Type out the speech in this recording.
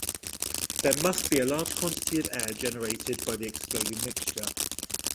There must be a large quantity of air generated by the exploding mixture.